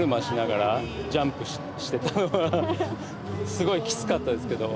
すごいキツかったですけど。